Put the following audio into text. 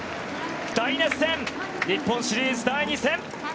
大熱戦、日本シリーズ第２戦。